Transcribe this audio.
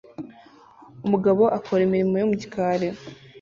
Umugabo akora imirimo yo mu gikari